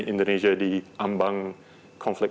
indonesia diambang konflik